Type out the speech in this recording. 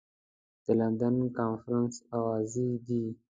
د لندن کنفرانس اوازې دي.